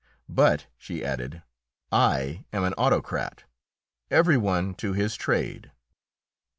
"But," she added, "I am an autocrat. Every one to his trade."